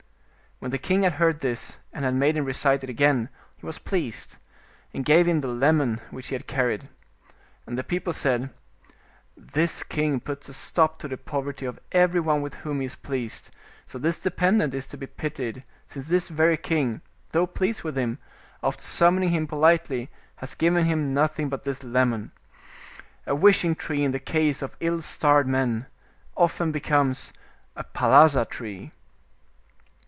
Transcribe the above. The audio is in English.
When the king had heard this, and had made him recite it again, he was pleased, and gave him the lemon which he had carried. And the people said, "This king puts a stop to the poverty of everyone with whom he is pleased; so this dependent is to be pitied, since this very king, though pleased with him, after summoning him politely, has given him nothing but this lemon; a wishing tree in the case of ill starred men, often becomes a pcUdsa tree."